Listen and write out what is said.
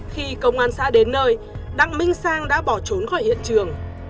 khi công an xã đến nơi đặng minh sang đã bỏ trốn khỏi hiện trường